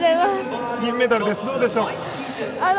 銀メダルです、どうでしょう。